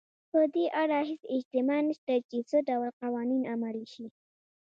په دې اړه هېڅ اجماع نشته چې څه ډول قوانین عملي شي.